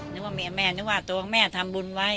นึกว่าเมียแม่นึกว่าตัวแม่ทำบุญไว้